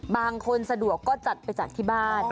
บางคนสะดวกก็จัดไปจากที่บ้าน